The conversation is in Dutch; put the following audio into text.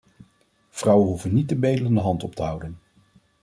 Vrouwen hoeven niet de bedelende hand op te houden.